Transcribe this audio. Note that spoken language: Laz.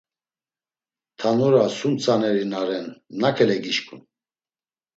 Tanura sum tzaneri na ren nakele gişǩun?